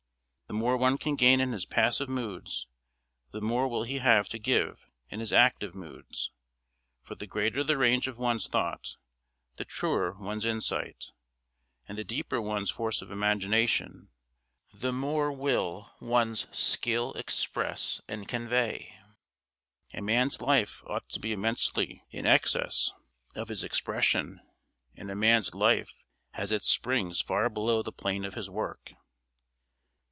The more one can gain in his passive moods, the more will he have to give in his active moods; for the greater the range of one's thought, the truer one's insight, and the deeper one's force of imagination, the more will one's skill express and convey. A man's life ought to be immensely in excess of his expression, and a man's life has its springs far below the plane of his work.